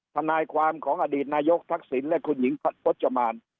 ทนายความของอดีตนายกทักษิณและคุณหญิงพจมาน